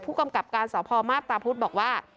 ผู้กำกับการสพมาพตาพุธบอกว่า